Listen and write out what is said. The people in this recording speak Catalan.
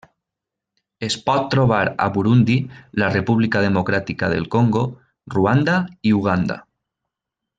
Es pot trobar a Burundi, la República Democràtica del Congo, Ruanda i Uganda.